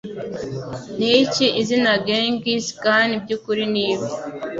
Ni iki Izina Ghengis Khan by'ukuri nibe